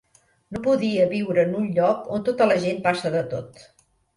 No podia viure en un lloc on tota la gent passa de tot.